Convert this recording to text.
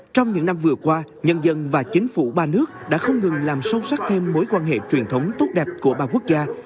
trong những năm vừa qua nhân dân và chính phủ ba nước đã không ngừng làm sâu sắc thêm mối quan hệ truyền thống tốt đẹp của ba quốc gia